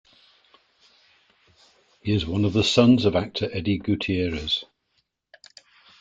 He is one of the sons of actor Eddie Gutierrez.